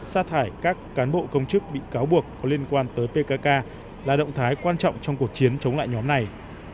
xa thải các cán bộ công chức bị cáo buộc có liên quan tới pkk là động thái quan trọng trong cuộc chiến chống lại nhóm này